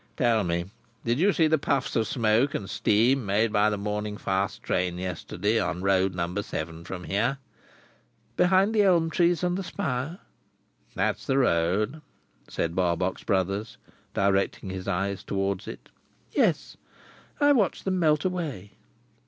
"Tell me. Did you see the puffs of smoke and steam made by the morning fast train yesterday on road number seven from here?" "Behind the elm trees and the spire?" "That's the road," said Barbox Brothers, directing his eyes towards it. "Yes. I watched them melt away."